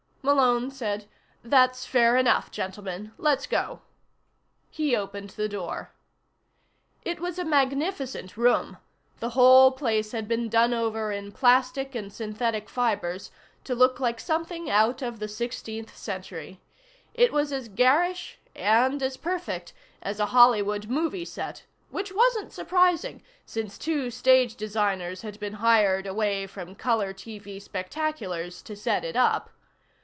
Malone said: "That's fair enough, gentlemen. Let's go." He opened the door. It was a magnificent room. The whole place had been done over in plastic and synthetic fibers to look like something out of the Sixteenth Century. It was as garish, and as perfect, as a Hollywood movie set which wasn't surprising, since two stage designers had been hired away from color TV spectaculars to set it up.